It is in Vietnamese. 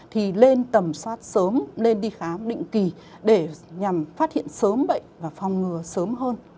thì lên tầm soát sớm lên đi khám định kỳ để nhằm phát hiện sớm bệnh và phòng ngừa sớm hơn